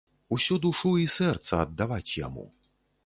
Усю душу і сэрца аддаваць яму.